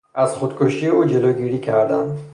از خودکشی او جلوگیری کردند.